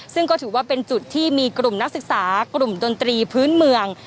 ซึ่งก็ถือว่าเป็นจุดที่มีกลุ่มนักศึกษากลุ่มดนตรีพื้นเมือง